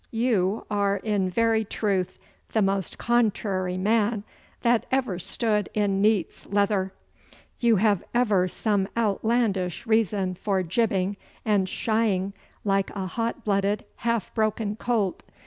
You are in very truth the most contrary man that ever stood in neat's leather. You have ever some outlandish reason for jibbing and shying like a hot blooded, half broken colt.